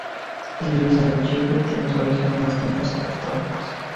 La Iglesia de Chipre tiene su origen en los tiempos apostólicos.